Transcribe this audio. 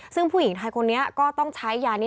ซึ่งผู้หญิงไทยคนนี้ก็ต้องใช้ยานี้